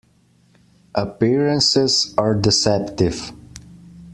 Appearances are deceptive.